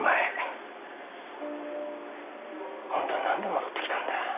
本当に何で戻ってきたんだ？